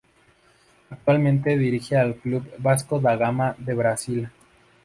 Actualmente dirige al club Vasco da Gama de Brasil.